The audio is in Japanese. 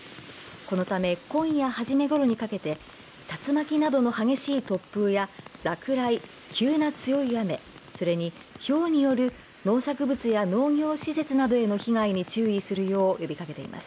このため、今夜初めごろにかけて竜巻などの激しい突風や落雷、急な強い雨それに、ひょうによる農作物や農業施設などへの被害に注意するよう呼びかけています。